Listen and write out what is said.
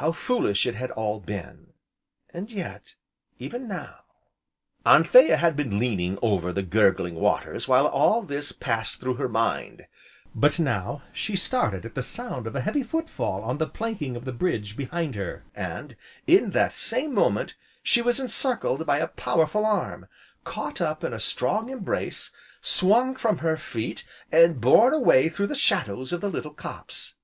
How foolish it had all been! And yet even now Anthea had been leaning over the gurgling waters while all this passed through her mind, but now, she started at the sound of a heavy foot fall on the planking of the bridge, behind her, and in that same instant, she was encircled by a powerful arm, caught up in a strong embrace, swung from her feet, and borne away through the shadows of the little copse.